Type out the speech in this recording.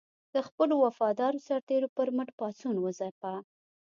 د خپلو وفادارو سرتېرو پر مټ پاڅون وځپه.